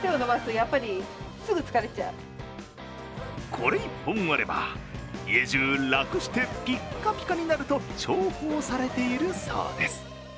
これ１本あれば、家中楽してピッカピカになると重宝されているそうです。